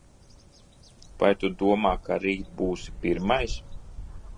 Vai tu domā, ka rīt būsi pirmais?